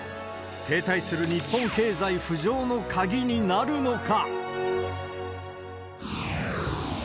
停滞する日本経済浮上の鍵になるのか。